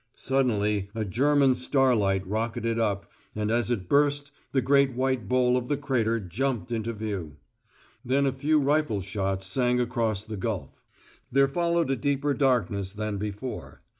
Suddenly a German starlight rocketed up, and as it burst the great white bowl of the crater jumped into view. Then a few rifle shots sang across the gulf. There followed a deeper darkness than before.